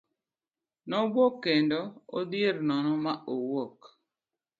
Nobuok kendo odhier nono ma owuoro.